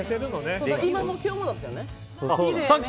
今の楽屋もだったよね。